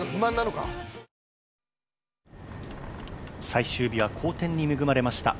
最終日は好天に恵まれました。